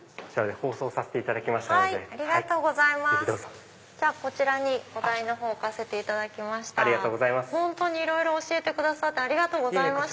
本当にいろいろ教えてくださってありがとうございました。